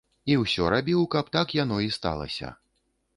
І ўсё рабіў, каб так яно і сталася.